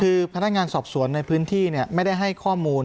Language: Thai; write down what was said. คือพนักงานสอบสวนในพื้นที่ไม่ได้ให้ข้อมูล